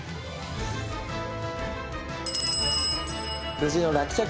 無事の落着を。